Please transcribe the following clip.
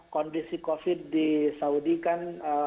kondisi covid di saudi kan